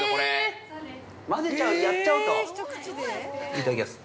◆いただきます！